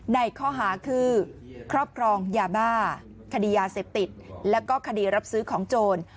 ในข้อหาคือครอบครองยาบ้าคดียาเสพติดแล้วก็คดีรับซื้อของโจร